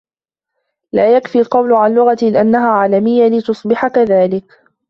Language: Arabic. لا يكفي القول عن لغة أنها عالمية ، لتصبح كذلك.